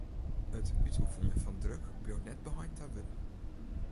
It útoefenjen fan druk bliuwt net beheind ta wurden.